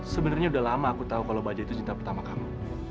sebenarnya udah lama aku tahu kalau baja itu cinta pertama kamu